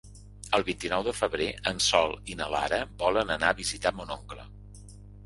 El vint-i-nou de febrer en Sol i na Lara volen anar a visitar mon oncle.